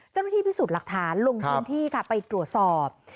เจ้าหน้าที่พิสูจน์หลักฐานลงพื้นที่ค่ะไปตรวจสอบ